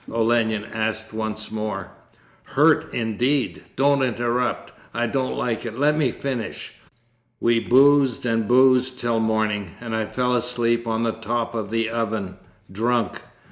Olenin asked once more. 'Hurt, indeed! Don't interrupt: I don't like it. Let me finish. We boozed and boozed till morning, and I fell asleep on the top of the oven, drunk.